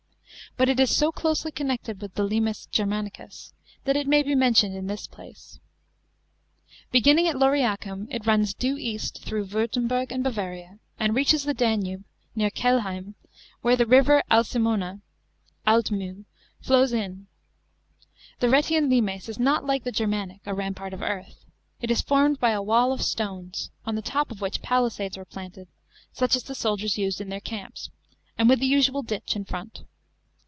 But it is so closely connected with the limes Germanicus, that it may be mentioned in this place. Beginning at Lauriacum, it runs due east (through Wtirtemberg and Bavaria), and reaches the Danube (near Kehl heim), where the river Alcimona (Altmiihl) flows in. The Raetian limes is not like the Germanic, a rampart of earth. It is formed by a wall of stones, on the top of which palisa les were planted, such as the soldiers used in their camps, and with the usual ditch in front.